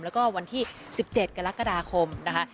แล้วก็วันที่๑๗กรกฎาคมนะคะ